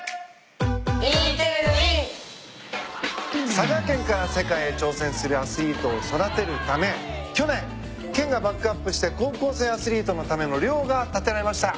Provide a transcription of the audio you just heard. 佐賀県から世界へ挑戦するアスリートを育てるため去年県がバックアップして高校生アスリートのための寮が建てられました。